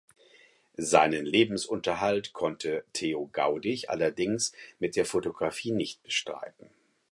Seinen Lebensunterhalt konnte Theo Gaudig allerdings mit der Fotografie nicht bestreiten.